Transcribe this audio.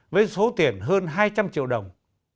với số tiền hơn hai trăm linh triệu đồng